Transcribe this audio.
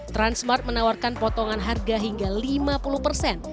transmart menawarkan potongan harga hingga lima puluh persen